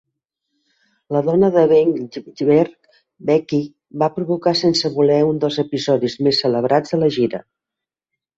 La dona de Weinberg, Becky, va provocar sense voler un dels episodis més celebrats de la gira.